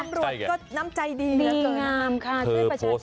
น้ำรวชก็น้ำใจดีเหมือนกันเลยค่ะด้วยประชาชนค่ะมีงามค่ะ